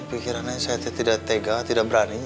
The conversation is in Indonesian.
pikirannya saya tidak tega tidak berani